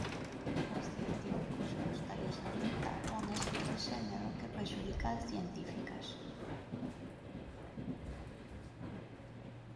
Aos científicos cústalles aceptar o nesgo de xénero que prexudica ás científicas.